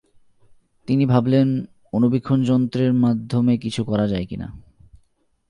তিনি ভাবলেন অণুবীক্ষণ যন্রের মাধ্যমে কিছু করা যায় কিনা।